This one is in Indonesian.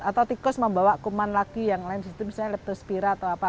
atau tikus membawa kuman lagi yang lain di situ misalnya leptospira atau apa